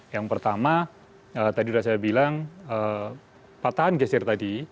yang pertama tadi sudah saya bilang patahan geser tadi